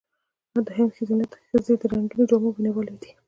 د هند ښځې د رنګینو جامو مینهوالې دي.